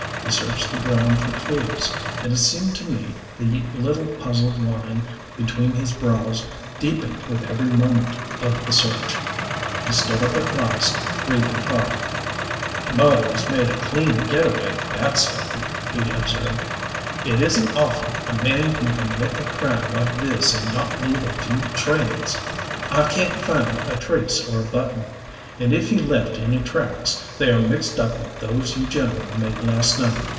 He searched the ground for clews; and it seemed to me the little puzzled line between his brows deepened with every moment of the search. He stood up at last, breathing hard. "The murderer made a clean get away, that's certain," he observed. "It isn't often a man can commit a crime like this and not leave a few trails. I can't find a trace or a button. And if he left any tracks they are mixed up with those you gentlemen made last night."